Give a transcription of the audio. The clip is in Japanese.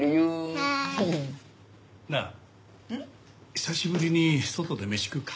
久しぶりに外で飯食うか。